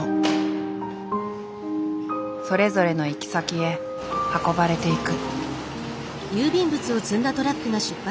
それぞれの行き先へ運ばれていく。